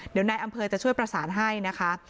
เดี๋ยวนายอำเภอจะช่วยประสานให้นะคะ